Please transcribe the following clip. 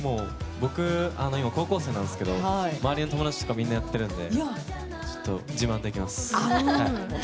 僕、高校生なんですけど周りの友達とかみんなやっているのでちょっと自慢できます。